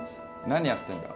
何やってんだ？